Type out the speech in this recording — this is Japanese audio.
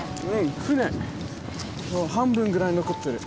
半分ぐらい残ってる。